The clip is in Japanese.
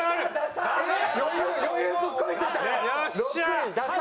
余裕ぶっこいてたら６位。